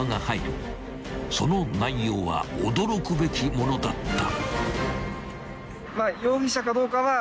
［その内容は驚くべきものだった］